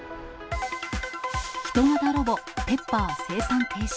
ヒト型ロボ、ペッパー生産停止。